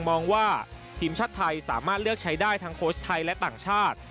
มองว่าทีมชาติไทยสามารถเลือกใช้ได้ทั้งโค้ชไทยและต่างชาติ